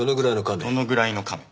どのぐらいのカメ？